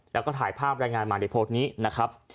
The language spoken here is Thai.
แล้วก็ถ่ายภาพรายงานมาในโพสต์นี้นะครับ